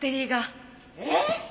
えっ！？